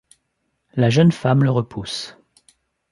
La jeune femme le repousse.